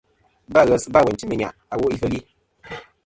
Ba ghes ba wêyn ti meyn nyàʼ awo ifeli.